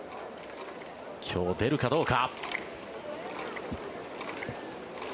今日、出るかどうか。